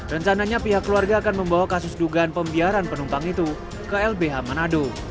rencananya pihak keluarga akan membawa kasus dugaan pembiaran penumpang itu ke lbh manado